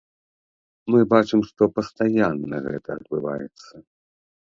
Мы бачым, што пастаянна гэта адбываецца.